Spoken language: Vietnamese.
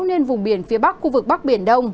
nên vùng biển phía bắc khu vực bắc biển đông